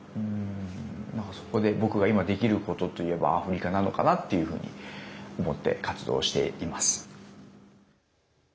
そこで僕が今できることといえばアフリカなのかなと思って活動しています。